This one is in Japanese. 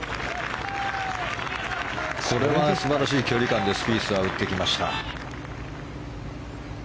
素晴らしい距離感でスピースが打ってきました。